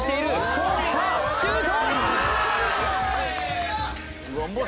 通ったシュート！